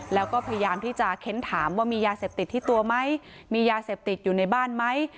แล้วก็พยายามที่จะเค้นถามว่ามียาเสพติดที่ตัวไหมมียาเสพติดอยู่ในบ้านไหม